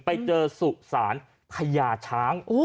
ไปเจอสุสานพญาช้าง